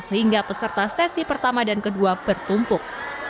sehingga peserta sesi pertama dan kedua bertumpuk